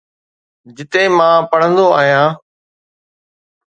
جتي مان پڙهندو آهيان